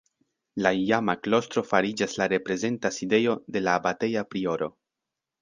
La iama klostro fariĝas la reprezenta sidejo de la abateja prioro.